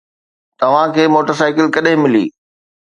توهان کي موٽرسائيڪل ڪڏهن ملي؟